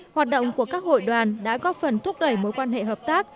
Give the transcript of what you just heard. hoạt động của các hội đoàn đã góp phần thúc đẩy mối quan hệ hợp tác